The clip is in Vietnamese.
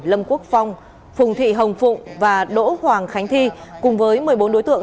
lâm quốc phong phùng thị hồng phụng và đỗ hoàng khánh thi cùng với một mươi bốn đối tượng